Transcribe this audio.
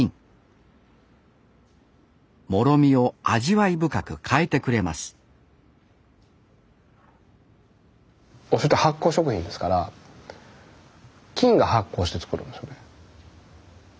もろみを味わい深く変えてくれますおしょうゆって発酵食品ですから菌が発酵して造るんですよね。